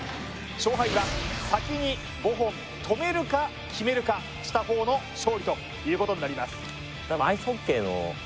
勝敗は先に５本止めるか決めるかした方の勝利ということになります